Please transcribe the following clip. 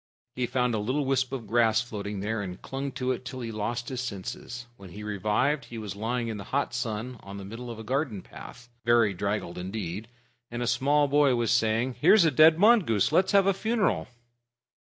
He found a little wisp of grass floating there, and clung to it till he lost his senses. When he revived, he was lying in the hot sun on the middle of a garden path, very draggled indeed, and a small boy was saying, "Here's a dead mongoose. Let's have a funeral."